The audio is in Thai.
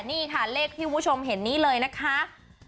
นี่ค่ะเลขที่คุณผู้ชมเห็นนี้เลยนะคะ